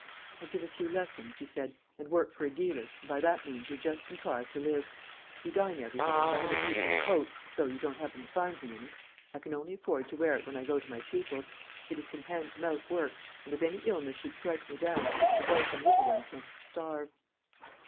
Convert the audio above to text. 'I give a few lessons,' he said, 'and work for a dealer; and by that means we just contrive to live. We dine every day, and I have a decent coat, though you don't happen to find me in it. I can only afford to wear it when I go to my pupils. It is from hand to mouth work; and if any illness should strike me down, the wife and little ones must starve.'"